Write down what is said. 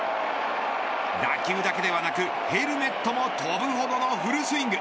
打球だけではなくヘルメットも飛ぶほどのフルスイング。